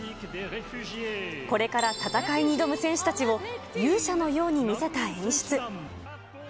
これから戦いに挑む選手たちを、勇者のように見せた演出。